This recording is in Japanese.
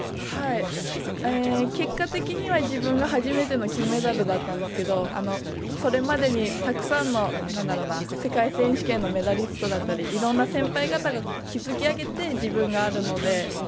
結果的には自分が初めての金メダルだったんですけどそれまでにたくさんの世界選手権のメダリストだったりいろんな先輩方が築き上げて自分があるので。